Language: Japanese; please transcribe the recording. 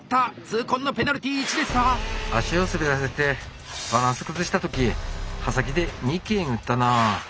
痛恨のペナルティ１ですか⁉足を滑らせてバランス崩した時刃先で幹えぐったな。